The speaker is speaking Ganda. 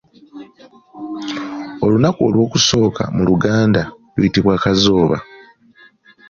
Olunaku olw'okusooka mu luganda luyitibwa Kazooba.